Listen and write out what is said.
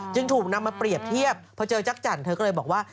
จึงถูกนำมาเปรียบเทียบพอเจอจักจันทร์เธอก็เลยบอกว่า